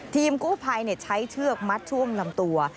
ทีมกู้ภัยใช้เชือกมัดช่วงลำตัว